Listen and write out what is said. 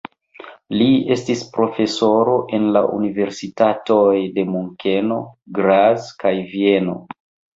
Li estis profesoro en la universitatoj de Munkeno, Graz kaj Vieno.